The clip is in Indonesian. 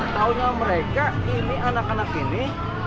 tahunya mereka ini anak anak ini